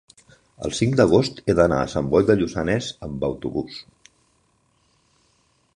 el cinc d'agost he d'anar a Sant Boi de Lluçanès amb autobús.